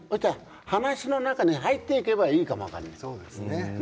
話の中に入っていけばいいかも分からないですよ。